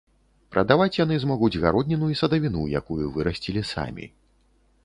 Прадаваць яны змогуць гародніну і садавіну, якую вырасцілі самі.